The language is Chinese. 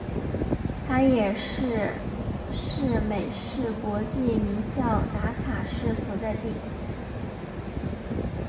它也是是美式国际名校达卡市所在地。